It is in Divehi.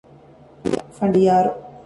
ފަނޑިޔާރު